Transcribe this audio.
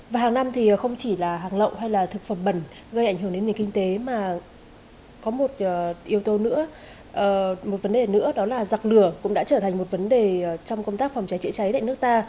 và hàng năm thì không chỉ là hàng lậu hay là thực phẩm bẩn gây ảnh hưởng đến nền kinh tế mà có một yếu tố nữa một vấn đề nữa đó là giặc lửa cũng đã trở thành một vấn đề trong công tác phòng cháy chữa cháy tại nước ta